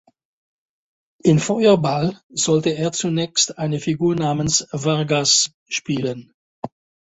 In "Feuerball" sollte er zunächst eine Figur namens Vargas spielen.